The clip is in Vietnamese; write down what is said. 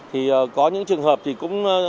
thì có những trường hợp thì cũng